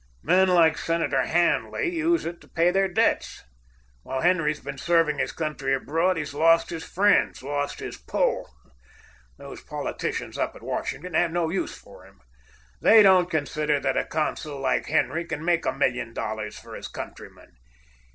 Men like Senator Hanley use it to pay their debts. While Henry's been serving his country abroad, he's lost his friends, lost his 'pull.' Those politicians up at Washington have no use for him. They don't consider that a consul like Henry can make a million dollars for his countrymen.